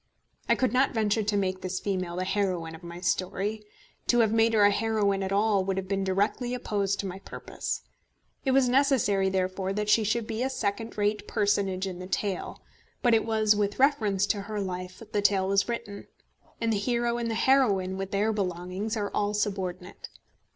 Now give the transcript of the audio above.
I could not venture to make this female the heroine of my story. To have made her a heroine at all would have been directly opposed to my purpose. It was necessary therefore that she should be a second rate personage in the tale; but it was with reference to her life that the tale was written, and the hero and the heroine with their belongings are all subordinate.